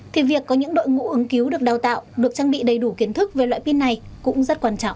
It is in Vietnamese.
thì việc có những đội ngũ ứng cứu được đào tạo được trang bị đầy đủ kiến thức về loại pin này cũng rất quan trọng